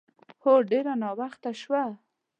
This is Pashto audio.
هو، ډېر ناوخته شوه.